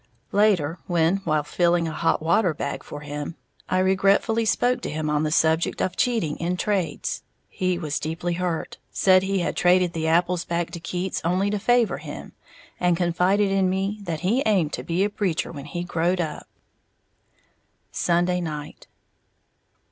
Later, when, while filling a hot water bag for him, I regretfully spoke to him on the subject of cheating in trades, he was deeply hurt, said he had traded the apples back to Keats only to favor him, and confided in me that he aimed to be a preacher when he growed up. _Sunday Night.